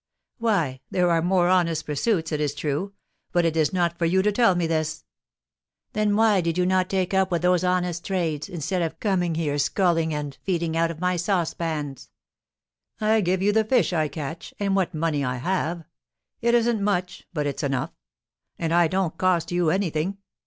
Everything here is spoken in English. "Why, there are more honest pursuits, it is true. But it is not for you to tell me this!" "Then why did you not take up with those honest trades, instead of coming here skulking and feeding out of my saucepans?" "I give you the fish I catch, and what money I have. It isn't much, but it's enough; and I don't cost you anything.